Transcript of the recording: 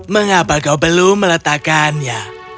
mengapa kau belum meletakkannya